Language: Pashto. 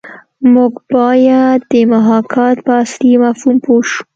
موږ باید د محاکات په اصلي مفهوم پوه شو